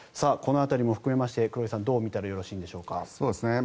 この辺りも含めまして黒井さん、どう見たらよろしいんでしょうか。